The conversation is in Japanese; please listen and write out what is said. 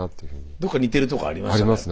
どっか似てるところありましたね